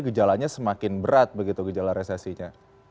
gejalanya semakin berat begitu gejala resesinya